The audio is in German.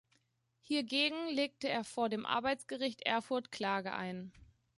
Hiergegen legte er vor dem Arbeitsgericht Erfurt Klage ein.